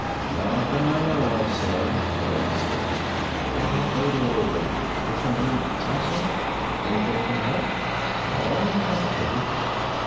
"Not that I know of, sir," Malone said. "What about the little old lady ... what's her name? Thompson. Anything from her?" Malone hesitated.